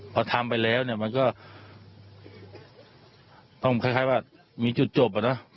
พอทำไปแล้วเนี่ยมันก็ต้องคล้ายว่ามีจุดจบอ่ะเนอะ